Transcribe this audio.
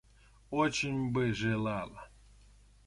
Очень бы желала!